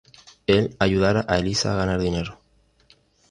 El ayudara a Eliza a ganar dinero.